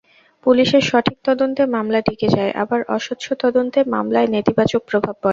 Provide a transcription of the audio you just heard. পুলিশের সঠিক তদন্তে মামলা টিকে যায়, আবার অস্বচ্ছ তদন্তে মামলায় নেতিবাচক প্রভাব পড়ে।